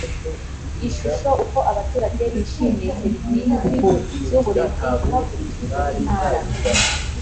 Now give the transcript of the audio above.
ishusho uko abaturage bishimiye serivisi z uburezi hakurikijwe intara